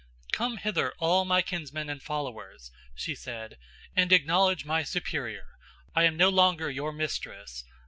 "Come hither all my kinsmen and followers," she said, "and acknowledge my superior. I am no longer your mistress.